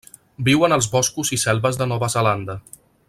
Viuen als boscos i selves de Nova Zelanda.